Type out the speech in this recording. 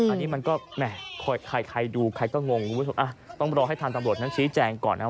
อันนี้มันก็ใครดูใครก็งงต้องรอให้ทางตำรวจนักชีวิตแจงก่อนนะครับ